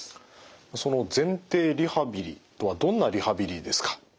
その前庭リハビリとはどんなリハビリですか？